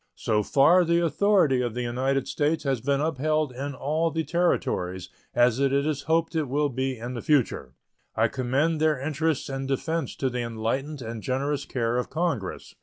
So far the authority of the United States has been upheld in all the Territories, as it is hoped it will be in the future. I commend their interests and defense to the enlightened and generous care of Congress.